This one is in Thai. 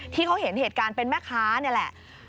ที่เขาเห็นเหตุการณ์เป็นแม่ค้านี่แหละ